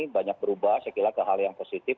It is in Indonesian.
banyak berubah saya kira ke hal yang positif